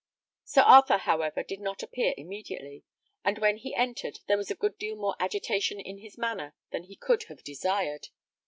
Sir Arthur, however, did not appear immediately; and when he entered, there was a good deal more agitation in his manner than he could have desired.